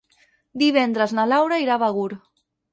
Divendres na Laura irà a Begur.